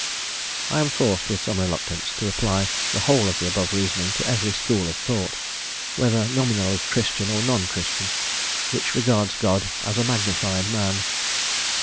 I am forced, with some reluctance, to apply the whole of the above reasoning to every school of thought, whether nominally Christian or non Christian, which regards God as a "magnified man."